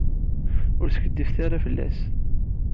Ur skiddibet ara fell-as.